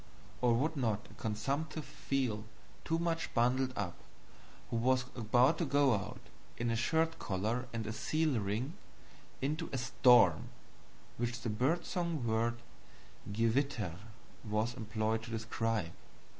Or would not a comsumptive feel too much bundled up, who was about to go out, in a shirt collar and a seal ring, into a storm which the bird song word GEWITTER was employed to describe?